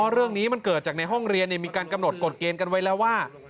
เรื่องนี้มันเกิดจากในห้องเรียนมีการกำหนดกฎเกณฑ์กันไว้แล้วว่า